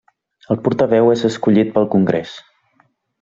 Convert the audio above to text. El portaveu és escollit pel congrés.